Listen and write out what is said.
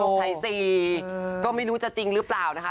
ไทย๔ก็ไม่รู้จะจริงหรือเปล่านะคะ